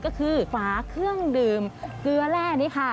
ก็คือฝาเครื่องดื่มเกลือแร่นี่ค่ะ